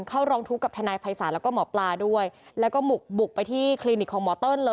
เข้าร้องทุกข์กับทนายภัยศาลแล้วก็หมอปลาด้วยแล้วก็บุกบุกไปที่คลินิกของหมอเติ้ลเลย